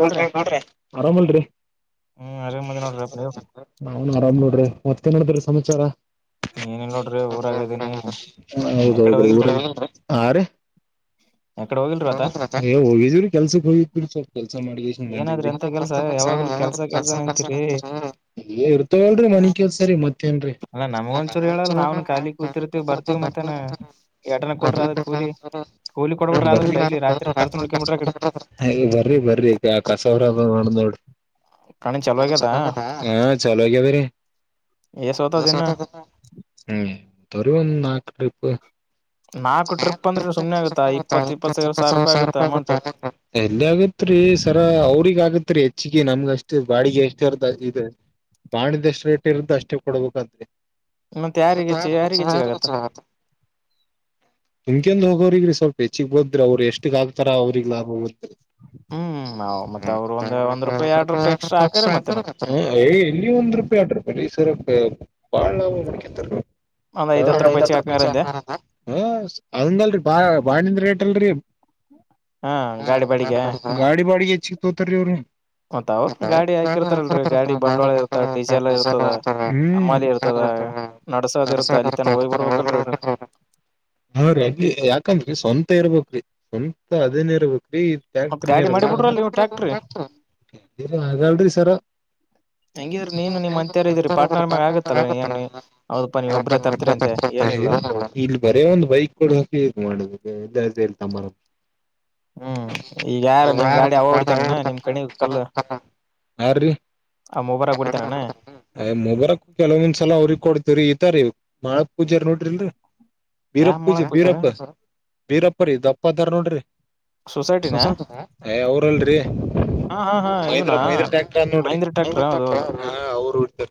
ಗೌಡ್ರೆ ಮಾಡ್ರಿ ಆರಾಮಲ್ರರಿ ಹ್ಮ್ ಆರಾಮ್ ಅದಿನ್ ನೋಡ್ರಿ ನೀವು ನನ್ ಆರಾಮ್ ನೋಡ್ರಿ ಮತ್ತೇ ಮಾಡ್ದ್ರಿ ಸಮಾಚಾರ ಏನಿಲ್ಲ ನೋಡ್ರಿ ಊರಾಗದೀನಿ ಎಕಡೆ ಹೌದೌದೀ ಊರ ಹೋಗಿಲ್ರಿ ಆ ರೀ ಎಕಡೆ ಹೋಗಿಲ್ರಿ ಆತ ಹ ಹೋಗಜರಿ ಕೆಲ್ಸುಕ್ ಕೆಲ್ಸ ಮಾಡ ಏನಾದ್ರಿ ಎಂತ ಕೆಲ್ಸ ಯಾವಾಗ್ಲೂ ಕೆಲ್ಸ ಕೆಲ್ಸನ ಅಂತೀರಿ ಇರ್ತ ತನಿ ಕಲ್ಸರಿ ಮತ್ತೇನ್ರಿ ಅಲ್ಲ ನಮಗೊಂಚೂರು ಹೇಳಲ್ಲ ನ್ ನಾವ್ನು ಖಾಲಿ ಕೂತಿರ್ತಿವಿ ಬರ್ತಿವಿ ಮತ್ತೇನ ಎಟನ ಕೊಡ್ರಿ ಅದ ಕೂಲಿ ಕೂಲಿ ಕೊಡ್ಬಿಡ್ರಿ ಆದ್ರ ಡೈಲಿ ರಾತ್ರಿ ಖರ್ಚು ಕಾರತತ್ರ ನೋಡ್ಕೊಂಬಿಡ್ರಿ ಅಕಡಿ ಬರ್ತ ನ ಮ ಹ ೀ ಆ ಕಸವರ ಮಾಡ ನೋಡು ಕಣಿ ಚಲೋ ಆಗ್ಯದ ಹಾ ಚಲೋಗ ಎಧಿನಿ ಏಸೋತದ ಇನ್ನ ಹ್ಮಂತ ಒಂದು ನಾಲ್ಕು ಟ್ರಿಪ್ ನಾಲ್ಕು ಟ್ರಿಪ್ ಅಂದ್ರೆ ಸುಮ್ನೆ ಆಗುತ್ತಾ ಇಪ್ಪತ್ ಇಪ್ಪತ್ತೈದು ಇಪ್ಪತ್ತು ರೂಪಾಯಿ ಆಗುತ್ತ ಸಾವಿರ ಅಮೌಂಟ್ ಆಗತ್ರಿೀ ಸರ ಅವ್ರಗ ಆಗತ್ರಿೀ ಹೆಚ್ಚಿಗೆ ನಮ್ಗ ಅಷ್ಟು ಬಾಡಿಗೆ ಎಷ್ಟರ್ದ ಇದು ಬಾಣಿದಷ್ಟು ರೇಟ್ ಇರುದು ಅಷ್ಟೇ ಕೊಡ್ಬೇಕಂದ್ರರಿ ಮತ್ ಮ ಯಾರಿಗೆ ಹೆಚ್ಚಿ ತಾರ ಯಾರಿಗೆ ಹೆಚ್ಚಿಗೆ ಆಗತ್ತ ಸಾರಗಸ ಮಾತ ತುಮಕಂದ ಹೋಗೋ್ರಗ್ರಿ ಸ್ವಲ್ಪ ಹೆಚ್ಚಗ್ ಬದ್ರಿ ಅವ್ರು ಎಷ್ಟಕ್ ಆಗ್ತಾರ ಅವ್ರ ಲಾಭ ಹೋಗುತ್ತೆ ಹ್ಮ್ ಮತ್ತೆ ಅವ್ರು ಒಂದ್ ಒ್ ಒಂದ್ ರೂಪಾಯಿ ಎರಡ್ ರೂಪಾಯಿ ಎಕ್ಸ್ಟ್ರಾ ಹಾಕ್ಯಾರ ಮತ್ತೇನು ರೂಪಾಯಿ ಿ ಸರಪ ಬಾಳ ಲಭ ಮುಡಿಕ ಒಂದ್ ಐದ್ ಹತ್ತು ರೂಪಾಯಿ ಹೆಚ್ಚಿಗೆ ತ ಹಾಕ್ಯಾರ ಅಂದೆ ಹ ಹಂಗಲ್ರಿ ಬಾ ಬಾಾಣಿಂದ ರೇಟ್ ಅಲ್ರರಿ ಹಾ ಗಾಡಿ ಬಡಿಗೆ ಗಾಡಿ ಬಾಡಿ ಹೆಚ್ಚಿ ತೋತಾರ ರೀ ಮತ್ತ ಅವ್ರ ಗಾಡಿ ಹಾಕಿರ್ತಾರಲ್ರರಿ ಗಾಡಿ ಬಂಡವಾಳ ಇರ್ತದ ಡೀಸೆಲ್ ಇರ್ತದ ಅಮಾಲಿ ಇರ್ತದ ನಡ್ಸೋದ ಅವ್ರು ಇರುತ್ತ ಅಲ್ಲಿ ತನ ಹೋಗಿ ಅದರ್ತಾರ ಬರ್ಬೇಕಲ್ರರಿ ಹ ಹಾ ರೀ ಅ ಯಾಕಂದ್ರಿ ಸ್ವಂತ ಇರ್ಬೇಕ್ರಿ ಸ್ವಂತ ಅದೇನ ಇರ್ಬೇಕ್ರಿ ಮತ್ ಟ್ಯಾಕ್ಟರ್ ನೀ ಗಾಡಿ ಮಾಡಿ ಬಿಡ್ರಲ್ ನೀವು ಟ್ಯಾಕ್ಟ್ರಿ ಹಾಗಗಲ್ಿ ಸರ ಹಂಗಿದ್ರಿ ನೀನು ನಿಮ್ ಅಂತತ್ಯಾರ ಇದ್ರರಿ ಪಾರ್ಟನರ್ ಮ್ಯ ಆಗತ್ತಲ್ಲ ನೀಏನ್ ಹದಪ್ಪ ನೀ್ ಒಬ್ರೇ ತರ್ತರಿ ಅಂತೆ ಏನಿಲ್ಲ ಇಲ್ಲಿ ಬರೇ ಒಂದ್ ಬೈಕ್ ಕೊಡ ಹಾಕಿ ಮಾಡ ಎತ ಮರ ಹ್ಮ್ ಈಗ ಯಾರ ನಿಮ್ ಗಾಡಿ ಅವ ಹೊಡ್ತಾನ ನಿಮ್ ಕಣಿ ಕಲ್ಲ ಯ್ರೀ ಅಯ ಮೂಬರಕ ಕೆಲವಂದಸಲ ಅವ್ರಿಗೆ ಕೊಡ್ತಿವ್ರೀ ಈತ ರೀ ಮಾಳಕ್ ಪೂಜ ನೋಡ್ರಿಲ್ರರಿ ಯಾವ ಬೀರಪ್ಪ ಮೊಳ ಪೂಜೆ ಪೂಜಾರ ಬೀರಪ್ಪ ಬೀರಪ್ಪ್ರೀ ದಪ್ಪದಾರ ನೋಡ್ರಿ ಸೊಸೈಟಿನ ಏ ಅವ್ರಲ್ರರಿ ಹಾ ಹಾ ಹಾ ಇವ್ನಾ ಮಹಂದ್ರ ಮೈಂದ್ರ ಟಾಕ್ಟ್ರ ನೋಡ್ರಿ ಮಹೇಂದ್ರ ಟ್ರ್ಯಾಕ್ಟರ್ ಮಹಂದ್ರ ಹೌದು ಟಾಕ್ಟ್ರ ಹೌದು ಹ ಅವ್ರು ಹಡ್ತಾರ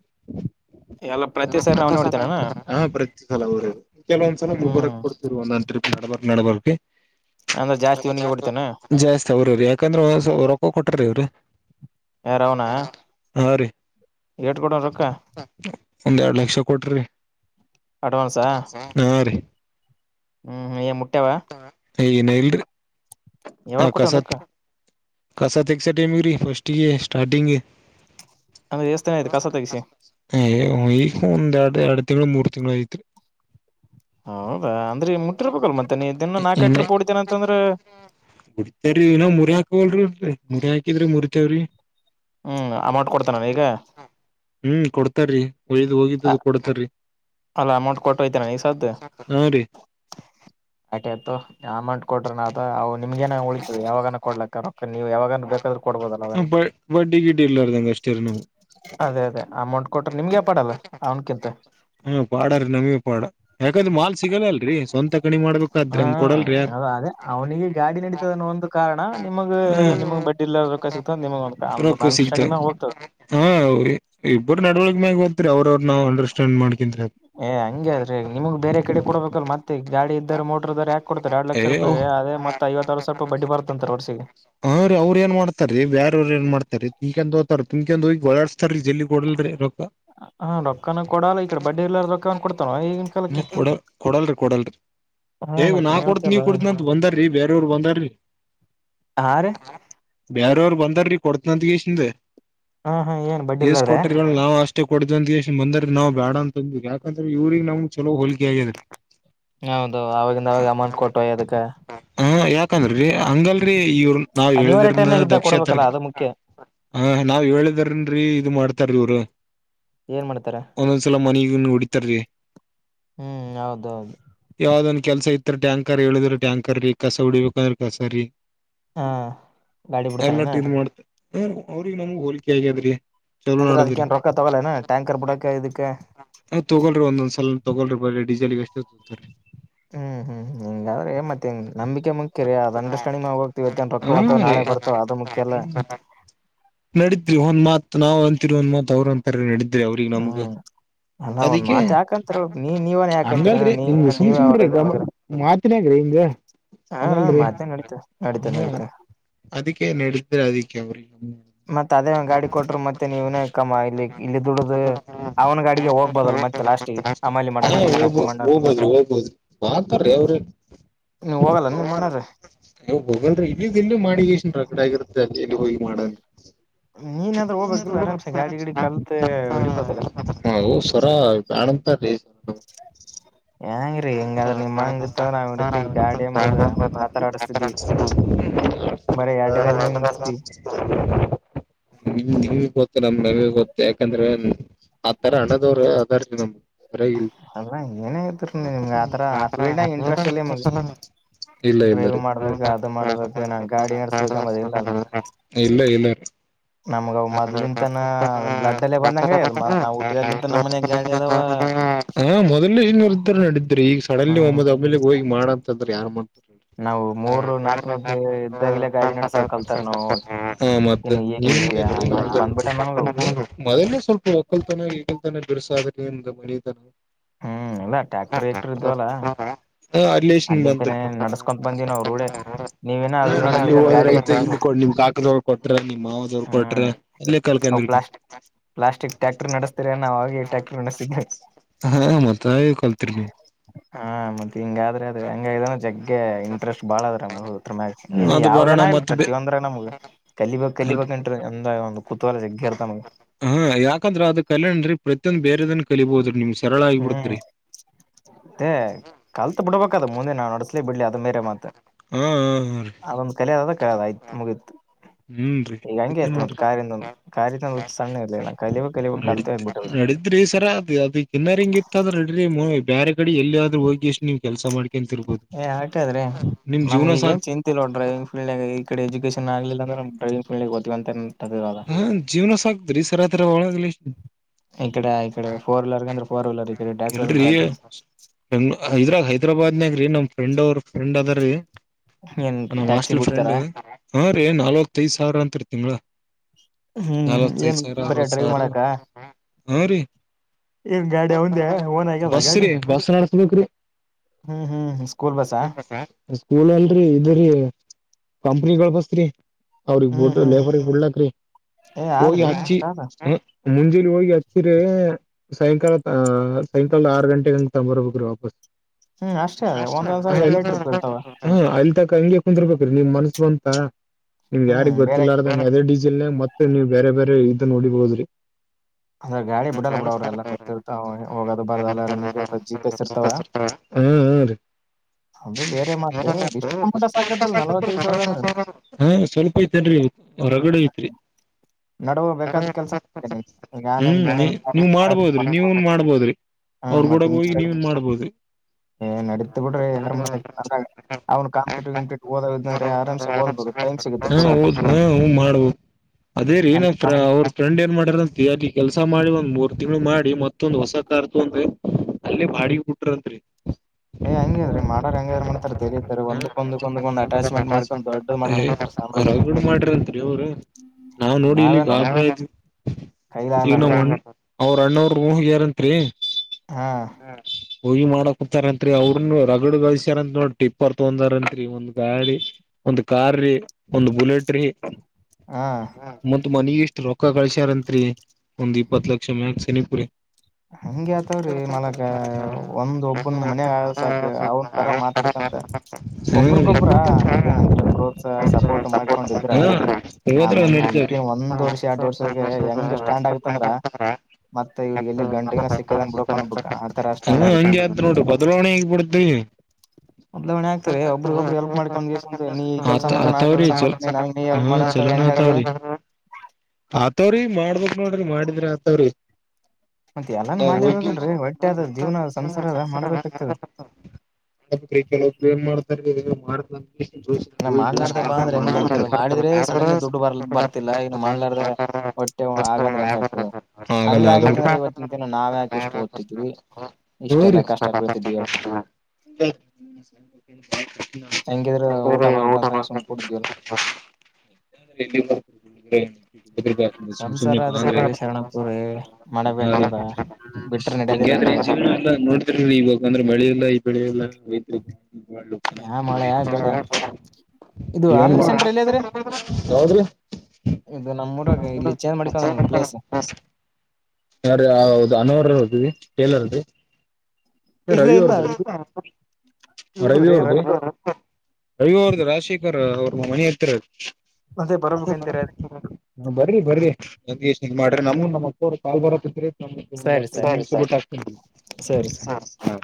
ಎಲ್ಲ ಪ್ರತಿ ಸಾರಿ ಅವನೇ ಹೊಡಿತಾನ ಹ ಪ್ರತಿ ಸಲ ಊರ ಕೆಲವೊಂದ್ಸಲ ಮುರಕ್ ಹ್ಮ್ ಕೊಡ್ತಿರು ಒಂದೊಂದ್ ಟ್ರಿಪ್ ನಡಬಾರ ಅಂದ್ರ ಜಾಸ್ತಿ ಇವನಿಗೆ ಹೊಡಿತಾನ ನ ಸೌ್ರ ರೀ ಯಾಕಂದ್ರೆ ರೊಕ್ಕ ಕೊಟ್ರೀ ಇವರು ಯಾರ ಅವನಾ ಹಾ ರೀ ಏಟ್ ಕೊಟ್ಟನ್ ರೊಕ್ಕ ಒಂದು ಎರಡು ಲಕ್ಷ ಕೋಡ್ರ್ ಅಡ್ವಾನ್ಸಾ ಹರಿ ಹ್ಮ್ ಏ ಮುಟ್ಟ್ಯಾವ ಏನ ಇಲ್ರರಿ ಯಾವಾಗ ಕೊಟನ್ ರೊಕ್ಕ ಕಸ ತೆಕ್ಸ ಟಮಗ್ರಿ ಫಸ್ಟ್ ಇ ಸ್ಟಾರ್ಟಿಂಗ್ ಅಂದ್ರೆ ಎಷ್ಟತನ ಆಯ್ತು ಕಸ ತೆಗಿಸಿ ಹ ಅಡು ಎರಡು ಮೂರು ತಿಂಗಳು ಚುನಾಯತ್ರಿ ಹೌದಾ ಅಂದ್ರೆ ಮುಟ್ಟಿರ್ಬೇಕಲ್ ಮತ್ತೆ ನೀ ದಿನ ನಾಲ್ಕೈಟ ರರುಪ ಹೊಡಿತೇನೆ ಅಂತಂದ್ರೆ ಕುಡಿತೇವ್ರೀ ಇನ್ ಮುರಿ ಹಾಕವಲ್ರಿಿರಿ ಮುರಿ ಹಾಕಿದ್ರಿ ಮುರಿತೇವ್ರಿ ಹ್ಮ್ ಅಮೌಂಟ್ ಕೊಡ್ತೇನ ಈಗ ಹ್ಮ್ ಕೊಡ್ತಾರೀ ಒಯ್ದ್ ಹ ಹೋಗಿದ್ದದು ಕೊಡ್ತಾರೀ ಅಲ್ಲ ಅಮೌಂಟ್ ಕೊಟ್ಟುೋಯ್ತೇನೆ ನೀ ಸ್ದು ಹಾ ರೀ ಆಯಟ ಆಯ್ತು ಅಮೌಂಟ್ ಕೊಟ್ರ ನತ ಅವ ನಿಮ್ಗೆೇನ ಉಳಿತ ಯಾವಾಗ ಕೊಡ್ಲಕ್ಕ ನೀವುಾವ ಬಬ ಬ ಬಡ್ಡಿ ಗಿಡ್ಡಿ ಇರ್ಲಾರ್ದಂಗ ಅಷ್ಟೇರಿ ನಾವು ಅೇ ಅ ಅಮೌಟ್ ಕೊಟ್ಟ ನಿಮಗೆ ಅವನ್ಕಿಂತ ಹ್ಮ ಪಾಡ್ರೀ ನಮಿ ಪಾಡ ಯಾಕಂದ್ರೆ ಮಾಲ್ ಸಿಗಲ್ಲ ಅಲ್ರರಿ ಸ್ವಂತ ಕಣಿ ಮಾಡ್ಬೇಕು ಹಾ ಅ ಅದೇ ಅವ್ನಿಗೆ ಗಾಡಿ ನಡೀತದ ಅನ್ನೋ ಒಂದು ಕ ಕಾರಣ ನಿಮಗ್ ಹ ನಿಮ್ಗ್ ಬಡ್ಡಿ ಇಲ್ಲ ರೊಕ್ಕ ಸಿತದೆ ನಿಮಗ ಒಂದ ಅಂದೊ್ ರೊಕ್ಕ ಸಿಗ್ತಾವ ಅಂಡರ್ಸ್ಟ್ಯಾಂಡಿಂಗ್ಗ ಹೋಗ್ತದೆ ಹಾ ಇಬ್ಬರು ನಡವಳಿಕ ಮ್ಯಾಗ ಬತ್ರಿ ಅವ್ರು ಏ ಹಂಗಗೆ ಅ ಆದ್ರೆ ನಿಮ್ಗ್ಗೆ ಬೇರೆ ಕಡೆ ಕೊಡಬೇಕಲ್ಲ ಮತ್ತೆ ಜಾ ಗಾಡಿ ಇದ್ದ ಮೋರ್ ಇದಾರೆ ಯಾಕ್ ಕೊಡ್ತಾರೆ ಎರಡ್ ಏ ಲಕ್ಷ ಅವ್ ರೂಾಯಿ ಅದ ಮತ್ತಐವಾರ ಸಾವರ ರೂಪಾಯ ಬಡ್ಡಿ ಬರ್ತಂತಾರೆ ವರ್ಷಿಗೆ ಹಂರಿ ಅವ್ರ ಏನ್ ಮಾಡ್ತಾರ ರೀ ಬೇಾರವ್ರ ಏನ್ ಮಾಡ್ತಾರೀ ಇಿಕಂದ ಹತಾರ ತಮಕ ಈಗ ಓಡಡ್ಸ್ತಾರೀ ಜಲ್ಲಿ ಕೊಡಲ್ ಹಾ ರೊಕ್ಕಾನ ಕೊಡಲ್ಲ ಈ ಕಡೆ ಬಡ್ಡಿ ಇಲ್ಲಾರ ರೊಕ್ಕ ಕೊಡ್ತಾನ ಈಗಿನ ಕಾಲಕ್ಕೆ ಕೊಡ ಕೊಡಲ್ರಿ ಕೊಡಲ್ರಿ ಹಾ ಹೇಗ ನಾ ಮತ್ತೆ ಕೊಡ್ತ ನೀವತ್ತಲ್ಲ ನೀವ ಕೊಡತಿನ ಅಂತ ಬಂದಾರೀ ಬೇರೆಯವ್ರ ಬಂದಾರಿ ಹ ರೀ ರು ಬಂದಾರೀ ಕೊನ ಹಾ ಹಾ ಏನ್ ಬಡ್ಡಿ ಇರ್ಲಾರ್ದೆ ಕೊಟ ನಾವು ಅಷ್ಟೇ ಕೊಡಂದ ದಿವ ಬಂದ್ರ ನಾವ್ ಬೇಡ ಅಂತಂದ ಯಾಕಂದ್ರೆ ಇವ್ರಿಗೆ ನಮ್ಗ್ ಚಲೋ ಹೋಲಿಕೆ ಆಗ್ಯ್ರರಿ ಹೌದು ಅವವಾಗಿಂದ ಅವಾಗ ಅಮೌಂಟ್ ಕೊಟ್ಟುವ ಅದಕ್ಕೆ ಯಾಕಂದಿ ಹಂಗಲ್ರರಿ ಇವ್ರ ನಾವ್ ಅನಿವಾರ್ಯ ಹೇಳಿದಿರ್ನ ಟೈಮ್ನಾಗ ಇದ್ದಾಗ ದಕ್ಷ ತರ ಕೊಡ್ಬೇಕಲ್ಲ ಅದು ಮುಖ್ಯ ಹಾ ನಾವ್ ಹೇಳಿದಾರನ್ೀ ಇದು ಮಾಡ್ತಾರವರು ಏನ್ ಮಾಡ್ತಾರೆ ಒಂದೊಂದ್ಸಲ ಮನವಿ ಹೊಡಿತಾರ ಹ್ಮ್ ಹೌದೌದು ಯಾವ್ದೊಂದ ಕೆಲಸ ಇತ್ ಟ್ಯಾಂರ್ ಹೇಳಿದ್ರೆ ಟ್ಯಾಂರ್ ರರಿ ಕಸ ಉಡಿಬೇಕಂದ್ರೆ ಕಸ ರೀ ಹಾ ಗಾಡಿ ಬಡ್ತಾನೆನಾ ಹ ಅವ್ರಿಗೆ ನಮಗ್ ಹೋಲಿಕೆ ಆಗ್ಯಾದ್ರಿ ಚಲ ಅಂದ್ರೆ ನಡದ್ರಿ ಅದಕ್ಕೇನ್ ರೊಕ್ಕ ತಗೊಲೇನ ಟ್ಯಾಂಕರ್ ಬಿಡಕ ಇದಕ್ಕೆ ತಗಳ್ರಿ ಒಂದೊಂದ್ಸಲ ತಗೊಳರಿ ಬರಿ ಡೀಸೆಲ್ಗೆ ಎಷ್ಟು ತೊತ ರರಿ ಹ್ಮ್ ಹ್ಮ್ ಹಿಂಗ್ರೆ ಮತ್ತೆಂಗ ನಂಬಿಕೆ ಮುಖ್ಯ ರರಿ ಅ್ ಅಂಡರ್ಸ್ಟಂಡಂಗ್ಗ ಹೋಗತಿವತ್ತ ರೊಕ್ಕ ಹಾ ಹೊ ನಾಳೆ ಬರ್ತಾವ ಅದು ಮುಖ್ಯಲ್ಲ ನಡೀತ್್ರಿ ಒಂದ್ ಮಾತ್ ನಾವ್ ಅಂತೀರಿ ಒಂದ್ ಮಾತ್ ಅವ್ರ ಅಂತ ಅವ ನಮಗೆ ಹ್ಮ್ ಅಲ್ಲ ಒಂದ್ ಅದಕ್ಕೆ ಮಾತ್ ಯಾಕಂತರ ನೀ ನೀವನ್ ಯಾಕಂತೀರಿ ಹಂಗ್ರ ನೀ ಇ್ ಸು್ ನೀವೇ ಸುಂ್ರೆ ಅವ್ರ ಇದ್ರ ಗ ಮಗ ಮಾತಿನ ಈ ಹಾ ಅನಲ್ರರಿ ಮಾತೆ ನಡೀತಾ ನಡೀತಾ ಹ ನಡೀತಾ ಅದಕ್ಕೆ ನಡಿದ್ರ ಅದಕ್ಕೆ ಅವ್ರಿ ಮತ್ತತ್ ಅದೇ ಗಾಡಿ ಕೊಟರು ಮತ್ತೆ ನೀವನ ಕಮ್ಮ ಇಲ್ಲಿ ಇಲ್ಲಿ ದುಡದು ಅವ್ನ್ ಗಾಡಿಗೆ ಹೋಗ್ಬೋದಲ್ ಮತ್ತೆ ಲಾಸ್ಟಗೆ ಅಮಲಿ ಮಾಡಕ್ ಹ ಹೋಗ್ಬೋದು ಹೋಗ್ಬೋದುತ್ರೇ ನೀವ್ ಹೋಗಲ್ಲ ನಿಮ್ಮಣ್ಣಾರ ನೀ ಹೋಗಲ್ರಿ ಇಲ್ಲಿಗೆ ಎಲ್ಲ ಮಾಡಿ ಇಷ್ಟನ್ ರಕಡೆ ಆಗಿರುತ್ತೆ ಅ ಎಲ್ಲಿ ಹ ಮಾಡ ನೀನಾದ್ರೂ ಹೋಗ್ಬೇಕಿಲ್ಲ ಆರಾಮ್ಸೆ ಗಾಡಿ ಗಿಡಿ ಕಲ್ತ್ ಹಿಡಿಬೋದಲ್ಲ ಸ್ರ [inaudible] ಹೆಂಗ್ರೀ ಹ ಹೆಂಗಾದ್ರ ಹ ನಿಮ್ಮಂಗಿತ್ತ ನಾವ್ ಹಿಡತಿವಿ ಗಾಡಿ ಎಂಬುದು ಪಾತ್ರ ಆಡಸ್ತಿದ್ವಿ ಬರೀ ಎರಡ್ ಗಾಲಿ ಮ್ಯಾಗ ನಡ್ಸ್ತಿದೀವಿ ನೀ ನಮ್ ನಮ ಗೊತ್ತ ಯಾಕಂದ್ರೆ ಆತರ ಹಣದವ್ರ ಅದಾರ್ಜು ನಮ್ಗೆ ಅದ್ರ ಏನೇತರ ನಿಮ್ಗ ಆತರ ಆ ಫೀಲ್ಡ್ನಾಗ ಇಂಟ್ರೆಸ್ಟ್ ಇಲ್ಲ ನಿಮಗ ಇಲ್ಲ ಡ್ರೈವ್ ಇಲ್ಲರಿ ಮಾಡ್ಬೇಕು ಅದು ಮಾಡ್ಬೇಕು ನಾ ಗಾಡಿ ನಡ್ಸ್ಬೇಕಮ್ಮದ ಇಲ್ಲಲ್ಲ ಇಲ್ಲ ಇಲ್ಲ ನಮ್ಗ ಮೊದ್ಲಿಂತನ ಬ್ಲಡ್ ಅಲ್ಲ ಬಂದಂಗ ನಾವು ಹಟ್ಟಿದಲ್ಲಿಂತ ನಮ್ಮ ಮನೆ ಗಾಡಿ ಅದಾವ ಹಾ ಮೊದಲನೇನರ್ರು ನಡಿದ್ರೆ ಈಗ ಸಡನ್ಲಿ ಒಮ್ಮೊ ಒಮ್ಮೇಲಿ ಹೋಗಿ ಮಾಡ ಅಂತಂದ್ರೆ ಯಾರು ಮಾಡ ನಾವು ಮೂರು ಹ ನಾಲ್ಕನೇದ ಇದ್ದಾಗಲೇ ಗಾಡಿ ನಡ್ಸಕ ಕಲ್ತಾರ ನಾವು ಮ ಇನ್ನು ಈಗ ನಿ ಬಿಡ್ತೀಯ ಹಂಗಾಗಿ ಬಂದ್ಬಿಟ್ಟ ನಮಗವು ಮೊಲ್ಲೇ ಸ್ವಲ್ಪ ಒಕ್ಕಲ್ತನ ಈಗಲ್ತಾನ ರು ಸಾಹಲಿಂದು ಮನಿತನ ಹ್ಮ್ ಇಲ್ಲ ಟ್ಯಾಕ್ಟರ್ ಕ್ಟರ್ ಇದ್ದವಲ್ಲ ಹ ಅಲ್ಲೇಶನ್ ಬಂದ್ರ ಅಲ್ಲಿಂತೇ ನಡ್ಸ್ಕೊ ಬಂದೀವ ಅವ ರೂಡೆ ನೀವೇನ ಅವಗ ಅಲ್ಲಿ ನಡಸ್ತೀರಿನ್ ಹೋದ್ರ ಗಾಡಿ ಐತೆ ಇಲ್ಲಿ ಕೊ ನಿಮ್ ಕಾಕದವ್ರು ಕೊಟ್ರ ನಿಮ್ ಮಾವದವ್ರರು ಕೊಟ್ರ ಹ್ಮ್ ಅಲ್ಲೇ ಅವು ಕಲ್ಕಂದ್ರಿ ಪ್ಲಾಸ್ಟ್ ಪ್ಲಾಸ್ಟಿಕ್ ಟ್ಯಾಕ್ಟರ್ ನಡೆಸ್ತೀರ ನಾ್ ಹಾಗಿ ಟ್ಯಾಕ್ರ್ ನಸ್ಸಿದೇವಿ ಹಾ ಮತ್ ಹಾ ಮತ್ ಹಿಂಗಾದ್ರೆ ಅದ ಹಂಗ ಇದ ಜಗ್ಗೆ ಇಂಟರೆಸ್ಟ್ ಬಾಳ ಅದ್ರ ನಮ್ಕ್ ನೀವು ಇಲ್ಲಿ ಅದು ಬರೋಣ ಯಾವ್ದೇನಾ ಇಲ್ ಮತ್ ಪ್ರತಿಯೊಂದ್ರ ನಮ್ಗೆ ಕಲಿಬೇಕ್ ಬೆ ಕಲಿಬೇಕ್ ಅಂದ ಒಂದು ಕುತೂಲ ಜಗ್ಗಿ ಇರ್ತಾವ ನಮಗೆ ಹಾ ಯಾಕಂದ್ರೆ ಅದು ಕಲ್ಯಾಣ್ ರಿ ಪ್ರತಿಯೊಂದ ಬೇರೆದನ್ ಕಲಿಬಹುದು ನಿಮ್ ಸರಳ ಹ್ಮ್ ಆಗಿಬಿಡತ್ರಿ ಅದೇ ಕಲ್ತೆಬಿಡಬೇಕಕು ಮುಂದೆ ನಾವು ನಡಸ್ಲಿ ಬಿಡ್ಲಿ ಅದ ಬೇರೇ ಮಾತು ಹಾ ಹಾ ಒಂದ್ ಕಲೆ ಅದ ಆಯ್ತ ಮುಗಿತು ಹುನ್ರಿ ಕಾರಿಂದ ಕಾರಿಂದ ಸಣ್ಣ ಇರ್ಲಿಲ್ಲ ಕಲಿಬೇಕ ಕಲಿಬೇಕ ಕಲ್ತ ಆಗ್ಬಿಟ್ಟ ನೆಡಿದ್ರಿ ಸರ್ ಅದ ಬಿನ್ನಾರಿಂಗ್ ಇತ್ತ ಅಂದ್ರ ನೆಡ್ರಿ ಬೇರೆ ಕಡೆ ಎಲ್ಲಿ ಹೋಗಿ ಎಷ್ಟು ನೀವ್ ಕೆಲ್ಸ ಮಾಡ್ಕಅಂತಿರ್ಬೋದು ಏ ಹಾಗಾದ್ರೆ ನಿಮ್ ನಮ್ಗ ಜೀವನ ಈಗ ಏನ್ ಸಾಧ್ಯ ಚಿಂತಿಲ್ಲ ನೋಡ್ ಡ್ರೈವಿಂಗ್ ಫೀಲ್ಡ್ನಾಗ ಈ ಕಡೆ ಎಜುಕೇಶನ್ ಆಗಲಿಲ್ಲಂದ್ರೆ ಡ್ರೈವಿಂಗ್ ಕಲಿಬಹುದು ಅಂತ ಹಾ ಜೀವನ ಸಾಕ್ತ್ರಿ ಸರತ್ರರ ಒಳಾಗಲಿ ಈಕಡೆ ಈಕಡೆ ಫೋರ್ ವೀಲರ್ ಟ್ಯಾಕ್ಟರ್ ಅಂದ್ರೆ ಎಲ್ರಿ ಟ್ರ್ಯಾಕ್ಟರ್ ಇದ್ರಾಗ ಹೈದಾಬಾದ್ ರೀ ನಮ ಫ್ರೆಂಡ್ ಅವ್ರು ಫ್ರೆಂಡ್ ಅದ ರೀ ಏನ್ ನಮ್ಮ ಟ್ಯಾಕ್ಸಿ ಹಾಸ್ಟೆಲ್ ಬಿಡ್ತಾರ ಫ್ರೆಂಡ್ ಹಾ ರೀ ನಲ್ವತ್ ಐದ್ ಸಾವಿರ ಅಂತ ತಿಂಗಳ ಹ್ಮ್ ನಲ್ವತ್ತೈದು ಏನ್ ಸಾವಿರ ಬರ ಹರವತ್ತು ಡ್ರೈವ್ ಸಾವಿರ ಮಾಡಕ ಹ ರೀ ಏನ್ ಗಾಡಿ ಅವಂದೆ ಓನ್ ಆಗ್ಯದ ಬಸ ಗಾಡಿ ರೀ ಬಸ್ ನೆಡಿಸಬೇಕ್ರಿ ಹ್ಮ್ ಹ್ಮ್ ಸ್ಕೂಲ್ ಬಸ್ಸಾ ಸ್ಕೂಲ್ ಅಲ್ರಿ ಇದು ರೀ ಕಂಪ್ನಿಗಳು ಬಸ್ತ್ರಿ ಅವ್ರಗ್ ಹ್ಮ್ ಬುಡ್ ಹ್ಮ್ ಲೇಬರಿಗೆ ಒಳ್ಳೆ ಏ ಹೋಗಿ ಆದ್ರಿ ಹಚ್ಚಿ ಅಷ್ಟ ಆದ ಮುಂಜಲಿ ಹೋಗಿ ಹತ್ತಿರೆ ಸಾಯಂಕಾಲ ಆ ಸಾಯಂಕಾಲ ಆರು ಗಂಟೆಗೆ ಹಂಗ್ ತಕೊಬರಬೇಕುರೀ ವಾಪಸ್ ಹ್ಮ್ ಅಷ್ಟೇ ಹ ಅದ ಒಂದೊಂದ್ಸರಿ ಎರಡ್ ಎರಡ್ ಟ್ರಿಪ್ ಇರ್ತಾವ ಅಷ್ಟೇ ಅಂತ ಕುಂದರ್ಬೇಕ್ರೀ ನಿಮ್ ಮನಸ್ ಬಂತ ನಿಮ್ ಹ್ಮ್ ಯಾರಿಗ್ ಬೇರೆ ಗೊತ್ತಿಲ್ಲಾರ ಅದೇ ಜಿಲ್ಲೆ ಮತ್ತೆ ನೀವ್ ಬೇರೆ ಬೇರೆ ಇದದು ಹೊಡೀಬೋದುರೀ [inaudible] ಅಂದ್ರೆ ಗಾಡಿ ಬಿಡಲ್ಲಲ್ ಬಿಡವ್ರರು ಎಲ್ಲಾ ಗೊತ್ತಿರ್ತಾವ ಹೋಗೋದು ಬಾರಲ್ಲ ನಿಂಗ ಇರ್ತವ ಜಿ ಪಿ ಎಸ್ ಇರ್ತವ ಹುನ್ರಿ ಮಾತು ಇಷ್ಟು ಅಮೌಂಟ ಸಾಕತ್ತಲ್ ನಲ್ವತ್ತೈದು ಸಾವಿರ ಅಂದ್ರ ಹಾ ಸ್ವಲ್ಪ ಇತನ್ರಿ ಹೊರಗಡೆ ಐತ್ರಿ ನಡುವ ಬೇಕಾದ ಕೆಲ್ಸ ಮಾಡೇ ಹ್ಮ್ ನೀ ನೀವ್ ಮಾಡ್ಬೋದ್ರಿ ನೀವನ್ ಮಾಡ್ಬೋದ್ರಿ ಹ್ಮ ಮತ್ತ ಅವ್ರಗೂಡಗ್ ಹೋಗಿ ಇನ್ಸ್ಟಾ ನೀವನ್ ಮಾಡ್ಬೋದ್ರಿ ಏ ನಡೀತ್ ಬಿಡ್ರಿರ ಅವ್ ಕಂಪಿಟಿವ್ ಓದ ಅಂದ್ರ ಆರಾಮ್ಸ ಓದಬಹುದು ಹಾ ಓದು ಹಾ ಹ ಮಾಡ್ಬೋದು ಅದೇ ರೀ ನ ಅಲ್ಲಿ ನಮ್- ಅವ್ರ ಫ್ರೆಂಡ್ ಏನ್ ಮಾಡ್ಯಾರ ಅಂತ ಹೇಳಿ ಕೆಲ್ಸ ಮಾಡಿ ಒಂದ್ ಮೂರ್ ತಿಂಗಳು ಮಾಡಿ ಮತ್ತೊಂದ್ ಹೊಸ ಕಾರು ತಕೊಂಡಿ ಅಂದಿ ಅಲ್ಲೇ ಬಾಡಿಗೆ ಬಿಟ್ರತ್ರಿ [inaudible] ಹಾ ಹಂಗದ್ರೀ ಮಾಡಾರ ಹಂಗ್ಯಾರ ಮಾಡ್ತಾರ ತರ ಇದಾರೆ ಹಾ ಒಂದಂದ್ಂದ್ ಒಂದ ಅಟ್ಯಾಚ್ಮೆಂಟ್ ಮಾಡಕೊಂಡ್ ದೊಡ್ಡ ಮಾಡ್ಕ್ ಬಿತಾರ [unintelligible] ನಾವ್ ನೋಡಿ ಇಲ್ಲಿ ನಾವೇ ನೋಡು ಈಗ ನಾವು ಕೈಲಾಗ್ಲಾರ್ದವ್ರಿ ಅವ್ರ ಅಣ್ಣವರು ಊರಲ್ಲಿಯಿದರಂತ್ರಿ ಹಾ ಹೋಗಿ ಮಾಡಕ ಕುೂತಾರತ್ರಿ ಅವ್ರನು ರಗಡುಗಳಸ್ಯಾರಂತ ನೋ ಟಿಪ್ಪರ್ ತೊಂಕೊದಾರತ್ರಿ ಒಂದ್ ಗಾಡಿ ಒಂದು ಕಾರ್ ರಿ ಒಂದು ಬುಲೆಟ್ ರೀ ಹಾ ಮತ್ ಮನಿಗೆ ಇಷ್ಟು ರೊಕ್ಕ ಕಳಿಸಿ ಅಂತ್ರಿ ಒಂದ್ ಇಪ್ಪತ್ ಲಕ್ಷ ಮ್ಯಾಲೆ ಹಂಗಗೆ ಆತವ್ರಿ ಮಲಗ ಒಂದ್ ಒಬ್ಬನ್ ಮನಾಗ ಸಾಕ ಅವನ್ ತರ ಮಾತಾಡ್ಕ [unintelligible] ಒಬ್ರಕೊಬ್ರ ಇದೇನಂದ್ರ ಪ್ರೋತ್ಸಾಹ ಸಪೋರ್ಟ್ ಮಾಡ್ಕೊಂಡಿದ್ರ ಆ ಹೋದದ್ರ ಮನಿ ನೆಡಿತಾವ್ರಿ ವಿತಿನ್ ಒಂದ್ ವರ್ಷ ಎರಡ್ ವರ್ಷದಾಗ ಹೆಂಗ್ ಸ್ಟ್ಯಾಂಡ್ ಆಗತ್ತಂದ್ರ ಮತ್ತ ಇವ್ರಿಗೆ ಎಲ್ಲ ಗಂಟಗಿನ ಸಿಕ್ಕದನ್ ಬಿಡಪ್ಪ ಅನ್ಬೇಕ ಆ ತರ ಸ್ಟ್ಯಾಂಡ್ ಹಾ ಆಗುತ್ತೆ ಹಂಗೆ ಆಯ್ತು ನೋಡ್ರಿ ಬದಾವಣೆ ಹಿಂಗೇ ಬಿಡ್ತವೆ ಬದಲಾವಣೆ [inaudible] ಆಗ್ತಾರೆ ಒಬ್ರಿಗೊಬ್ರು ಹೆಲ್ಪ್ ಮಾಡ್ಕೊಂಡ್ ಗೆಸಿಂದ ನೀ ಕೆಲ್ಸ ಮಾಡು ನಾ ಕೆಲ್ಸ ಮಾಡ್ತೀನಿ ನನ್ಗ್ ನೀ ಹೆಲ್ಪ್ ಮಾಡ [unintelligible] ಅಂತಂದ್ರೆ ಎಲ್ಲಾನು ಹೆಂಗ ಆಗಲ್ಲ ಆತಾವ್ರಿ ಆತವ್ರಿ ಮಾಡ್ಬಕ್ ನೋಡ್ರಿ ಮಾಡಿದ್ರಿ ಆತವ್ರಿ ಮತ್ತೆ ಎಲ್ಲಾನು ಹ ಮಾಡ್ಲೇಬೇಕಲ್ರರಿ ಹೊಟ್ಟೆ ಅದ ಜೀವನ ಸಂಸಾರದ ಮಾಡ್ಬೇಕಾಗ್ತದ ಅ್ರ ಕೆಲವಬ್ಏನ್ ಮಾಡ್ತಾರ ಇನ್ನ ಮಾಡ್ತ ಹ ಸಡನ್ಿ ದುಡ್ಡು ಬರ್ ಬರ್ತಿಲ್ಲ ಇನ್ನು ಮಾಡ್ಲಾರ್ದೆ ಹೊಟ್ಟೆ ಆಗಂದ್ರೆ ಹೆಂಗ ಆಗ್ತದೆ ಹಾಗಲ್ಲು ಹಷ್ಟ ಇಷ್ಟು ಓದ್ತಿದ್ವಿ ಇಷ್ಟೆಲ್ಲಾ ಕಷ್ಟ ಬೀಳ್ತಿದೀವಿ ಹಿದ್ರ ಊಟ ಬಾರ್ದ ಅಂತ ಸುಮ ಕುಡಿದೀವ್ರ ಹ ಇ ರೂಪಾಯಿ ಆಗ್ತದೆ ಸುಮ್ ಸಂಸಾರ ಸುಮ್ಮನೆ ಆದ್ರಿ ಅಂದ ಶರಣಪುರ ಹ ಮಾಡಬೇಕಾಗ್ತದ ಬಿಟ್ರ ಹಗೆ ನಡ್ಯದಿಲ್ಲ ನೋಡ್ತರಿ ಇವಾಗ ಅಂದ್ರೆ ಮಳಿ ಇಲ್ಲ ಈ ಬೆಳಿ ಇಲ್ಲ ಯಾ ಮಳೆ ಯಾ ಬೆಳೆ ಕನ ಇದು ಆನ್ಲೈನ್ ಸೆಂಟರ್ ಅಲ್ಲಿ ಯಾವದ್ರಿ ಇದು ನಮ್ಮೂರ ಇಲ್ಲಿ ಇಚೇಂದ ಮಡಿಕಂದ ಪ್ಲೇಸ್ ಅನರ ಹದವಿ ಕಲರ್ೀ ಇಲ್ಲ ರವಿ ಇಲ್ಲ ಅವರ್ ಇದು ರವಿ ಇವ್ರದ್ರಿ ಅವ್ರದುು ಅವ್ರದ್ರಿ ರವಿ ಅವ್ರದು ರಾಜಶೇಖರ್ ಅವ ಮನ ಹತ್ರ ಅದೇ ಬರ್ಬೇಕಂತೀರ ಬರ್ರಿ ಬರ್ರಿ ನಂದ ಮಾಡ್ರಿ ನಮೂ ನಮ್ಮ ಅಕ್ಕರು ಕಾಲ್ ಬರತ್ತತ್ರಿ ಸರಿ ಸರಿ ಸರಿ ಸರಿ ಹ ಹಾ